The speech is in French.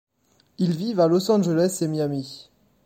Ils vivent à Los Angeles et Miami.